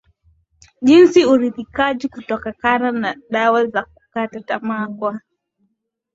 jinsi uridhikaji kutokakana na dawa zakukata tamaa kwa